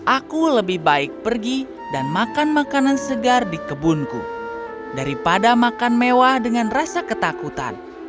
aku lebih baik pergi dan makan makanan segar di kebunku daripada makan mewah dengan rasa ketakutan